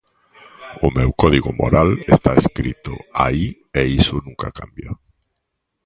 O meu código moral está escrito aí e iso nunca cambia.